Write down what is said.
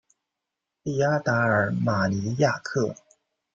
利阿达尔马尼亚克。